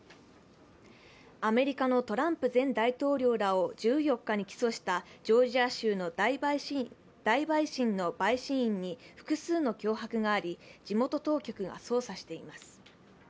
アメリカのトランプ前大統領らを１４日に起訴したジョージア州の大陪審の陪審員に複数の脅迫があり、地元当局が捜査しています。